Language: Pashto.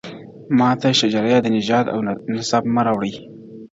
• ماته شجره یې د نژاد او نصب مه راوړئ,